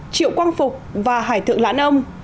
triệu quang phục và hải thượng lãn âu